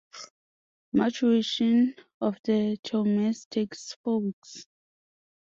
Maturation of the Chaumes takes four weeks.